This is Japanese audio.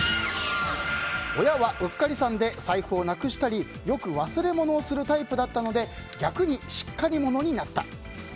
親はうっかりさんで財布をなくしたりよく忘れ物をするタイプだったので逆にしっかり者になった。